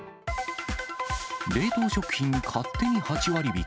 冷凍食品勝手に８割引き。